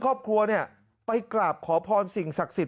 ครอบครัวเนี่ยไปกราบขอพรสิ่งศักดิ์สิท